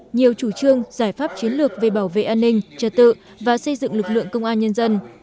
nhiều chủ trương giải pháp chiến lược về bảo vệ an ninh trật tự và xây dựng lực lượng công an nhân dân